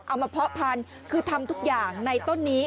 เพาะพันธุ์คือทำทุกอย่างในต้นนี้